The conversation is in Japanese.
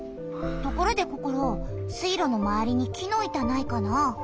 ところでココロ水路のまわりに木の板ないかな？